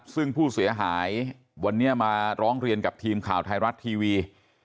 ซึ่งผู้เสียหายวันนี้มาร้องเรียนกับทีมข่าวไทยรัฐทีวี